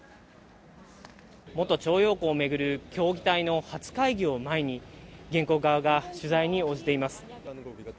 元徴用工を巡る協議体の初会議を前に、原告側が取材に応じています。